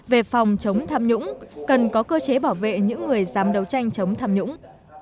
về phòng chống tham nhũng cần có cơ chế bảo vệ những người dám đấu tranh chống tham nhũng